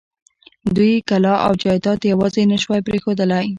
دوی کلا او جايداد يواځې نه شوی پرېښودلای.